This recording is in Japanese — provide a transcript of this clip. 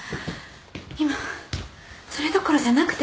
今それどころじゃなくて。